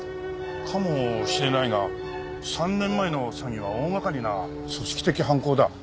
かもしれないが３年前の詐欺は大がかりな組織的犯行だ。